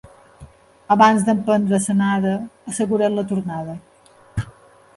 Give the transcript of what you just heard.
Abans d'emprendre l'anada, assegura't la tornada.